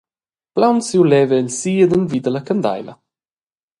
Plaunsiu leva el si ed envida la candeila.